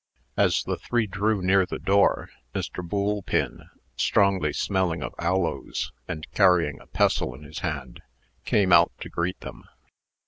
As the three drew near the door, Mr. Boolpin, strongly smelling of aloes, and carrying a pestle in his hand, came out to greet them.